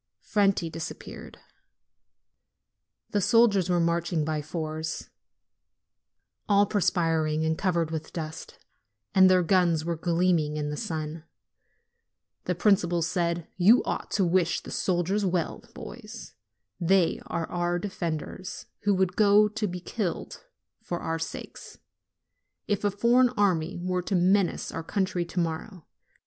Franti disappeared. The soldiers were marching by fours, all perspiring and covered with dust, and their guns were gleaming in the sun. The principal said : "You ought to wish the soldiers well, boys. They are our defenders, who would go to be killed for our sakes, if a foreign army were to menace our country to morrow.